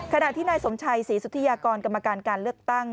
ขณะที่นายสมชัยศรีสุธิยากรกรรมการการเลือกตั้ง